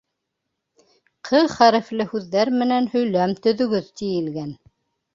«Ҡ» хәрефле һүҙҙәр менән һөйләм төҙөгөҙ, тиелгән.